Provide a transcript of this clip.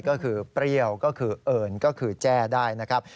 ก็คือเปรี้ยวก็คือเอิญก็คือแจ้ได้นะครับ